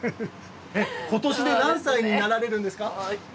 今年で何歳になられるんですか？